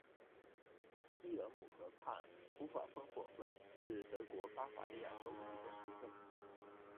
伊尔姆河畔普法芬霍芬是德国巴伐利亚州的一个市镇。